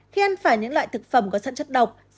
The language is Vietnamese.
khi ăn phải những loại thực phẩm có thân chất độc